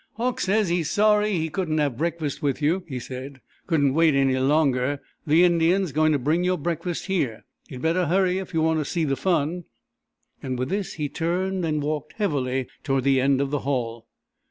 "Hauck says he's sorry he couldn't have breakfast with you," he said. "Couldn't wait any longer. The Indian's going to bring your breakfast here. You'd better hurry if you want to see the fun." With this he turned and walked heavily toward the end of the hall.